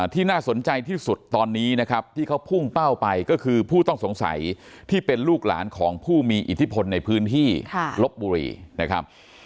ที่น่าสนใจที่สุดตอนนี้นะครับที่เขาพุ่งเป้าไปก็คือผู้ต้องสงสัยที่เป็นลูกหลานของผู้มีอิทธิพลในพื้นที่ลบบุรีนะครับ